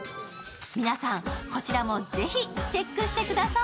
皆さん、こちらもぜひチェックしてください。